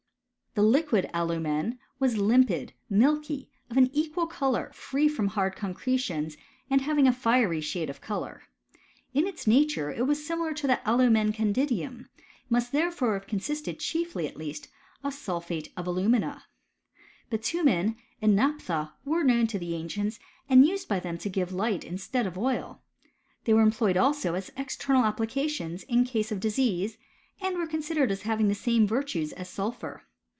The liquid alumen was limpid, milky, of an equal colour, free from hard concretions, and having a fiery shade of colour. f In its nature, it was similar to the alumen candidum ; it must therefore have consisted chiefly, at least, of sulphate of alumina. Bitumen and naphtha were known to the ancients, and used by them to give light instead of oil ; they were employed also as external applications in cases of disease, and were considered as having the same virtues as sulphur.